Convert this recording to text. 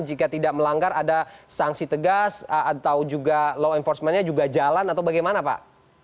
jika tidak melanggar ada sanksi tegas atau juga law enforcement nya juga jalan atau bagaimana pak